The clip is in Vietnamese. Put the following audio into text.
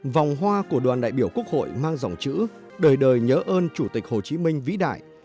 vòng hoa của đoàn đại biểu quốc hội mang dòng chữ đời đời nhớ ơn chủ tịch hồ chí minh vĩ đại